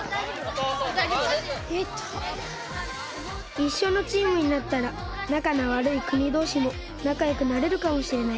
いっしょのチームになったらなかのわるいくにどうしもなかよくなれるかもしれない。